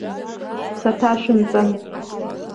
Саҭашәымҵан.